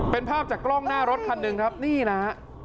เป็นภาพจากกล้องหน้ารถคันหนึ่งครับนี่นะฮะ